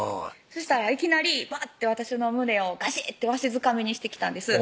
したらいきなりバッて私の胸をガシッてわしづかみにしてきたんです